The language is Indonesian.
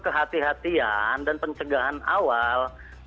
kehatian dan pencegahan awal